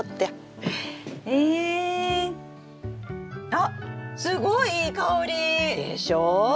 あっすごいいい香り！でしょ？